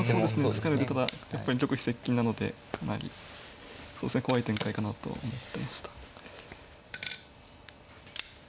突かれるとただやっぱり玉飛接近なのでかなり怖い展開かなと思ってました。